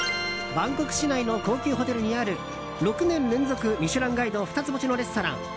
バンコク市内の高級ホテルにある６年連続「ミシュランガイド」二つ星のレストラン。